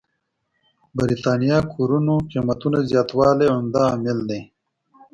برېتانيا کورونو قېمتونو زياتوالی عمده عامل دی.